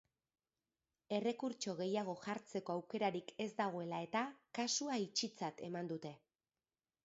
Errekurtso gehiago jartzeko aukerarik ez dagoela eta, kasua itxitzat eman dute.